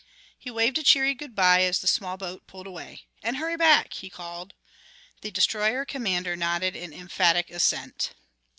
He waved a cheery good by as the small boat pulled away. "And hurry back," he called. The destroyer commander nodded an emphatic assent.